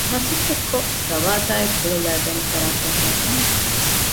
މަސައްކަތްކޮށް ދަވާދާއި ކުލަ ލައިދޭނެ ފަރާތެއް ހޯދަން